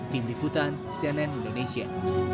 tim liputan cnn indonesia